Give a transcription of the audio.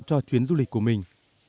cho chuyến du lịch của mình